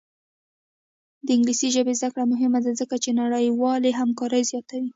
د انګلیسي ژبې زده کړه مهمه ده ځکه چې نړیوالې همکاري زیاتوي.